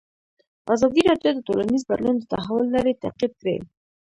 ازادي راډیو د ټولنیز بدلون د تحول لړۍ تعقیب کړې.